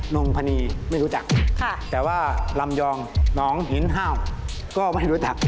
งพนีไม่รู้จักแต่ว่าลำยองหนองหินห้าวก็ไม่รู้จัก